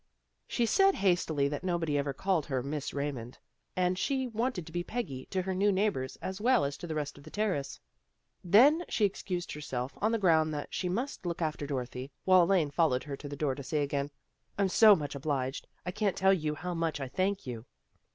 She said hastily that nobody ever called her Miss Raymond, and she wanted to be Peggy to her new neighbors as well as to the rest of the Terrace. Then she excused herself, on the ground that she must look after Dorothy, while Elaine followed her to the door to say again, " I'm so much obliged. I can't tell you how much I thank you."